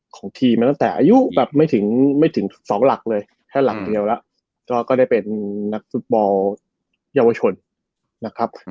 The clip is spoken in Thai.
ของทีมมาตั้งแต่อายุแบบไม่ถึงไม่ถึงสองหลักเลยแค่หลักเดียวแล้วก็ได้เป็นนักฟุตบอลเยาวชนนะครับ